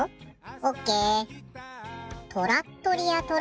オッケー。